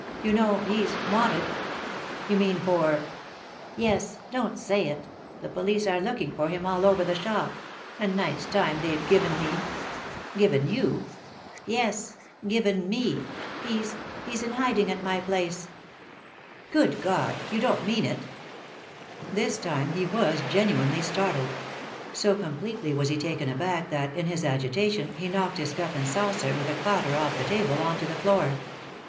You know he's— wanted ?' "You mean for ?" 237 3i 9 iii^d by Google THE INTERRUPTED KISS " Yes — don't say it 1 The police are looking for him all over the shop ; a nice time they've given mel" " Given you ?" "Yes, given me. He's— he's in hiding at my place." " Good God 1 You don't mean it I" This time he was genuinely startled. So completely was he taken aback that, in his agitation, he knocked his cup and saucer with a clatter off the table on to the floor.